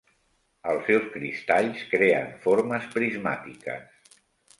Els seus cristalls creen formes prismàtiques.